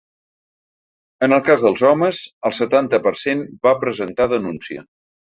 En el cas dels homes, el setanta per cent va presentar denúncia.